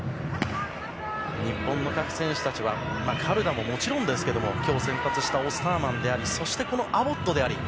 日本の各選手たちはカルダももちろんですが今日先発したオスターマンでありそして、このアボットであり。